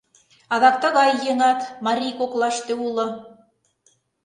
Адак тыгай еҥат марий коклаште уло.